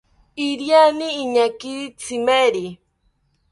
Iriani iñakiri tzimeri